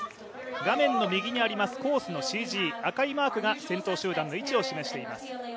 画面の右にありますコースのＣＧ、赤いマークが先頭集団の位置を示しています。